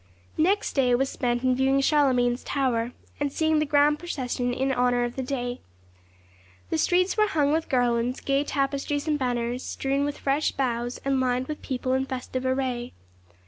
Next day was spent in viewing Charlemagne's Tower, and seeing the grand procession in honour of the day. The streets were hung with garlands, gay tapestries and banners, strewn with fresh boughs, and lined with people in festival array.